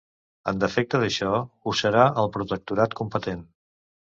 En defecte d'això, ho serà el protectorat competent.